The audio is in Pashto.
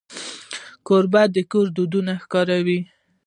کوربه د کور دودونه ښکاروي.